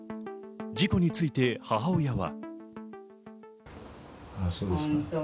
事故について母親は。